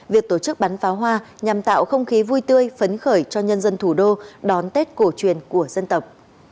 việc tổ chức bắn pháo hoa nhằm tạo không khí vui tươi phấn khởi cho nhân dân thủ đô đón tết cổ truyền của dân tộc